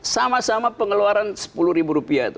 sama sama pengeluaran sepuluh ribu rupiah itu